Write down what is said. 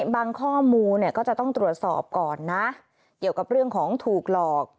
ข้อมูลเนี่ยก็จะต้องตรวจสอบก่อนนะเกี่ยวกับเรื่องของถูกหลอก